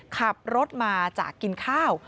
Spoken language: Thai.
ขับรถมาจากกินข้าว